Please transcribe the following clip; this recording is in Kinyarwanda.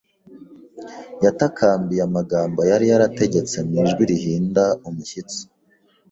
yatakambiye amagambo yari yategetse mu ijwi rihinda umushyitsi.